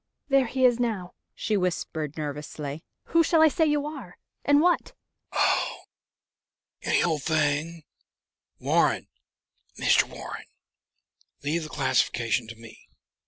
"There he is now," she whispered nervously. "Who shall I say you are? And what?" "Oh, any old thing Warren, Mr. Warren. Leave the classification to me.